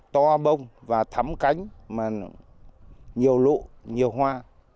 to bông và thấm cánh nhiều lụ nhiều hoa